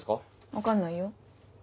分かんないよ。